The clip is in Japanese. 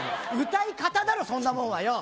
歌い方だろそんなもんはよ